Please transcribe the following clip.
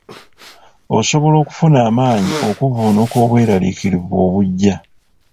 Osobola okufuna amaanyi okuvvuunuka obweraliikirivu obujja.